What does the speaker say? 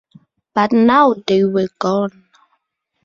But now they were gone.